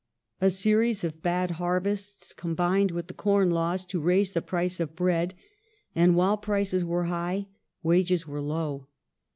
'*.^°"^'' A series of bad harvests combined with the Corn Laws to raise the England" price of bread ; and while prices were high wages were low.